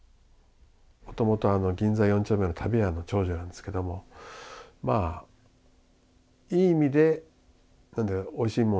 もともと銀座４丁目の足袋屋の長女なんですけどもまあいい意味でおいしいもん